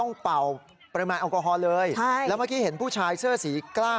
นี่คืออะไรค่ะ